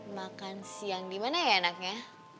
makan siang dimana ya enaknya